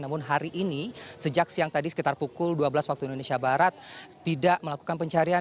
namun hari ini sejak siang tadi sekitar pukul dua belas waktu indonesia barat tidak melakukan pencarian